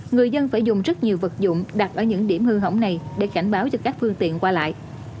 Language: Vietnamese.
người dân phải dùng rất nhiều vật dụng đặt ở những điểm hư hỏng này để cảnh báo cho các phương tiện qua lại